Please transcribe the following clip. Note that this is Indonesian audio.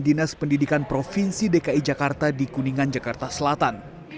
dinas pendidikan provinsi dki jakarta di kuningan jakarta selatan